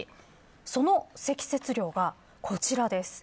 その積雪量がこちらです。